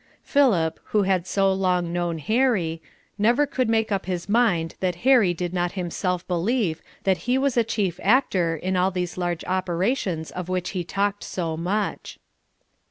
Philip, who had so long known Harry, never could make up his mind that Harry did not himself believe that he was a chief actor in all these large operations of which he talked so much.